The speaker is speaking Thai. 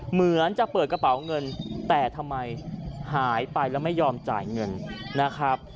เหมือนจะเปิดกระเป๋าเงินแต่ทำไมหายไปแล้วไม่ยอมจ่ายเงินนะครับ